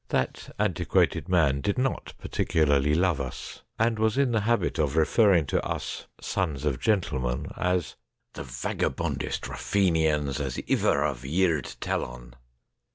That anti quated man did not particularly love us, and was in the habit of referring to us ' sons of gentlemen ' as ' the vagabondist ruffeenians as iver I've yeerd tell on.'